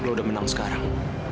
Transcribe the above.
lo sudah menang sekarang